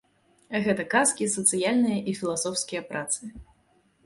Гэта казкі, сацыяльныя і філасофскія працы.